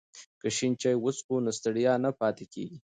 که شین چای وڅښو نو ستړیا نه پاتې کیږي.